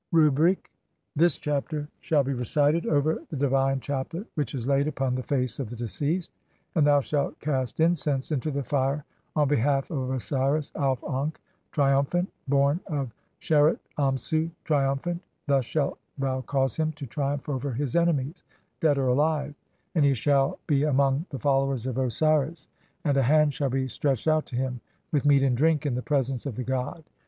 THE CHAPTER OF THE VICTORY OVER ENEMIES. 67 Rubric : this chapter shall be recited over the divine chaplet (i5) which is laid upon the face of the deceased, and thou SHALT CAST INCENSE INTO THE FIRE ON BEHALF OF OSIRIS AUF ANKH, TRIUM PHANT, BORN OF SHERET AMSU, TRIUMPHANT; THUS SHALT THOU CAUSE HIM TO TRIUMPH OVER HIS ENEMIES, (16) DEAD OR ALIVE, AND HE SHALL HE AMONG THE FOLLOWERS OF OSIRIS ; AND A HAND SHALL BE STRETCHED OUT TO HIM WITH M EAT AND DRINK IN THE PRESENCE OF THE GOD.